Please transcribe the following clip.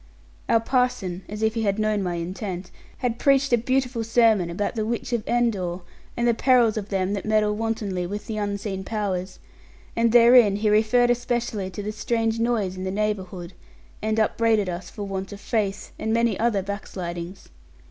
Our parson (as if he had known my intent) had preached a beautiful sermon about the Witch of Endor, and the perils of them that meddle wantonly with the unseen Powers; and therein he referred especially to the strange noise in the neighbourhood, and upbraided us for want of faith, and many other backslidings.